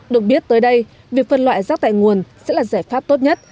được biết tới đây việc phân loại rác tại nguồn sẽ là giải pháp tốt nhất